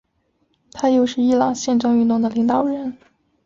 他又是伊朗宪政运动的领导人。